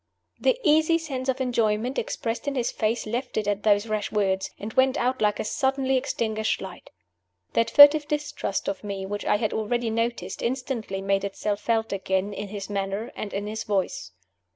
The easy sense of enjoyment expressed in his face left it at those rash words, and went out like a suddenly extinguished light. That furtive distrust of me which I had already noticed instantly made itself felt again in his manner and in his voice.